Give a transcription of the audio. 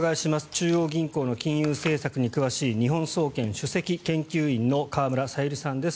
中央銀行の金融政策に詳しい日本総研主席研究員の河村小百合さんです。